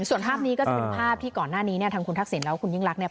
ส่วนภาพนี้ก็จะเป็นภาพที่ก่อนหน้านี้เนี่ยทางคุณทักษิณแล้วคุณยิ่งรักเนี่ย